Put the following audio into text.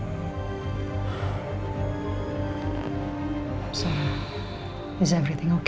maaf semuanya oke